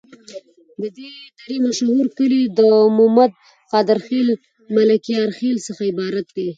د دي درې مشهور کلي د مومد، قادر خیل، ملکیار خیل څخه عبارت دي.